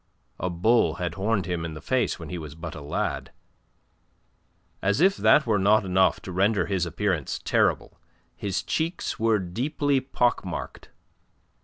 (A bull had horned him in the face when he was but a lad.) As if that were not enough to render his appearance terrible, his cheeks were deeply pock marked.